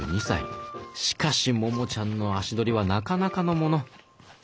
しかしモモちゃんの足取りはなかなかのもの。